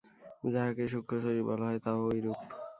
যাহাকে সূক্ষ্ম শরীর বলা হয়, তাহাও ঐরূপ।